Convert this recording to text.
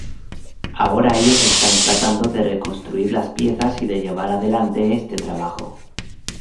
Ahora ellos están tratando de reconstruir las piezas y de llevar adelante este trabajo.